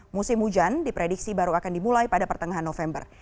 musim hujan diprediksi baru akan dimulai pada pertengahan november